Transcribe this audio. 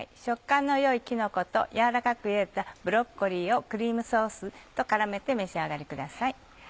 食感の良いきのこと軟らかく茹でたブロッコリーをクリームソースと絡めて召し上がりください。